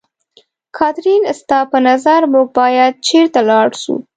کاترین، ستا په نظر موږ باید چېرته ولاړ شو؟